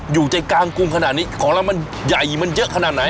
อยู่ใจกลางกรุงขนาดนี้ของเรามันใหญ่มันเยอะขนาดไหน